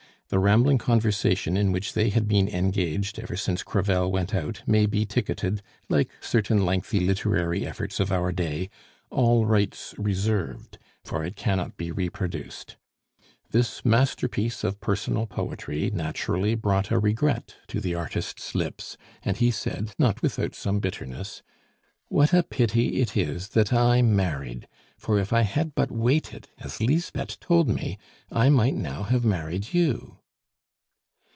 The rambling conversation in which they had been engaged ever since Crevel went out may be ticketed, like certain lengthy literary efforts of our day, "All rights reserved," for it cannot be reproduced. This masterpiece of personal poetry naturally brought a regret to the artist's lips, and he said, not without some bitterness: "What a pity it is that I married; for if I had but waited, as Lisbeth told me, I might now have married you."